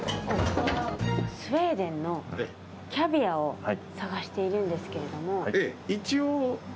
スウェーデンのキャビアを探しているんですけれども。